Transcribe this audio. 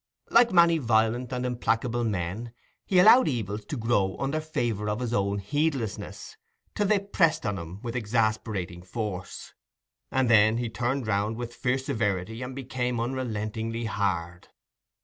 Like many violent and implacable men, he allowed evils to grow under favour of his own heedlessness, till they pressed upon him with exasperating force, and then he turned round with fierce severity and became unrelentingly hard.